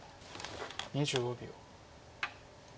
２５秒。